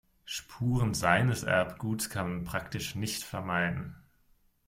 Spuren seines Erbguts kann man praktisch nicht vermeiden.